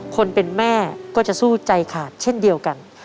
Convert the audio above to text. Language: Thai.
คนเป็นแม่ก็จะสู้ใจขาดเช่นเดียวกัน